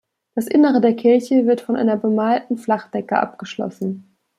Das Innere der Kirche wird von einer bemalten Flachdecke abgeschlossen.